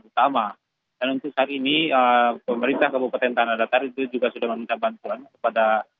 utama dan untuk saat ini pemerintah kabupaten tanah datar itu juga sudah meminta bantuan kepada